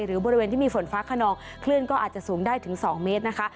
บริเวณที่มีฝนฟ้าขนองคลื่นก็อาจจะสูงได้ถึง๒เมตรนะคะ